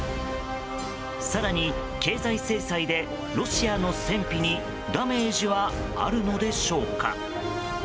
更に、経済制裁でロシアの戦費にダメージはあるのでしょうか。